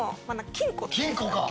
金庫か。